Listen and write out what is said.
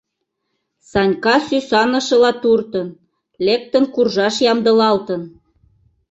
Санька сӱсанышыла туртын, лектын куржаш ямдылалтын.